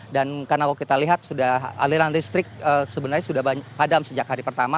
dan karena kalau kita lihat sudah aliran listrik sebenarnya sudah padam sejak hari pertama